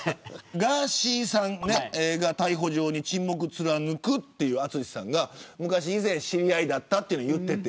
ガーシーさんが逮捕状に沈黙を貫くという淳さんが昔知り合いだったと言っていて。